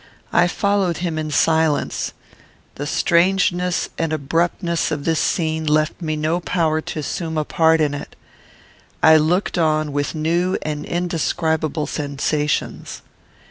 I followed him in silence. The strangeness and abruptness of this scene left me no power to assume a part in it. I looked on with new and indescribable sensations.